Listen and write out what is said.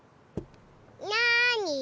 なに？